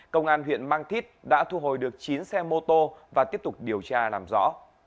công an huyện mang thít đã thu hồi được chín xe mô tô và tiếp tục điều tra làm rõ